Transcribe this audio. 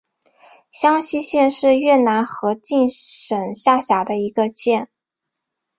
香溪县是越南河静省下辖的一县。